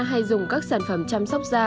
hay dùng các sản phẩm chăm sóc da